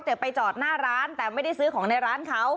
แต่ไปจอดหน้าร้านแต่ไม่ได้ซื้อของในร้านเขา